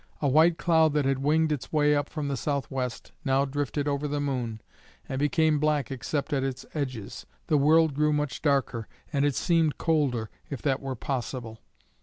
A white cloud that had winged its way up from the south west now drifted over the moon, and became black except at its edges. The world grew much darker, and it seemed colder, if that were possible.